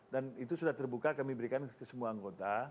dan itu sudah terbuka kami berikan ke semua anggota